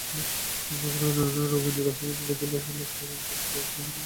রোগিণীর অস্বাভাবিক ব্যাধি-লক্ষণ এবং ডাক্তারের অনুসন্ধিৎসার জন্যেই ও এ-কাজটা করতে চায়।